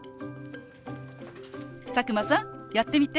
佐久間さんやってみて。